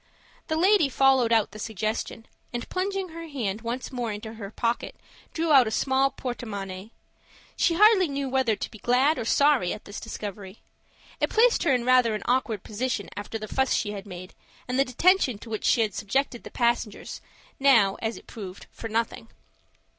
The lady followed out the suggestion, and, plunging her hand once more into her pocket, drew out a small porte monnaie. She hardly knew whether to be glad or sorry at this discovery. It placed her in rather an awkward position after the fuss she had made, and the detention to which she had subjected the passengers, now, as it proved, for nothing.